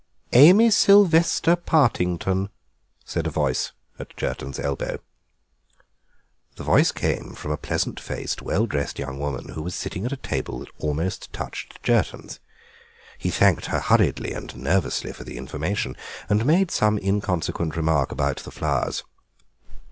"Amy Sylvester Partington," said a voice at Jerton's elbow. The voice came from a pleasant faced, well dressed young woman who was sitting at a table that almost touched Jerton's. He thanked her hurriedly and nervously for the information, and made some inconsequent remark about the flowers.